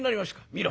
「見ろ。